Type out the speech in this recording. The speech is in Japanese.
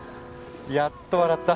やっと笑った。